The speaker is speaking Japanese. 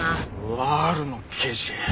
ワルの刑事。